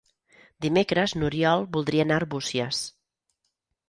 Dimecres n'Oriol voldria anar a Arbúcies.